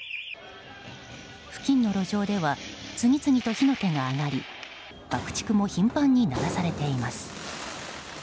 付近の路上では次々と火の手が上がり爆竹も頻繁に鳴らされています。